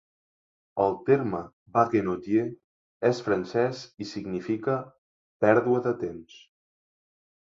El terme "Baguenaudier" és francès i significa "pèrdua de temps".